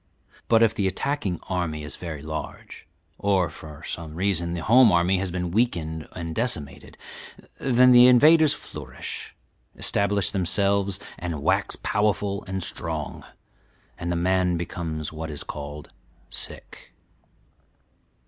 But if the attacking army is very large, or from some reason the home army has been weakened and decimated, then the invaders flourish, establish themselves and wax powerful and strong, and the man becomes what is called 'sick.'